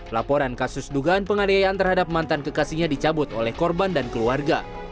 laporan kasus dugaan penganiayaan terhadap mantan kekasihnya dicabut oleh korban dan keluarga